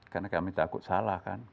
karena kami takut salah kan